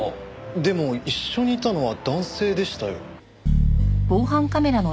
でも一緒にいたのは男性でしたよ。